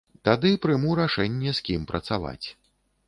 Тады прыму рашэнне, з кім працаваць.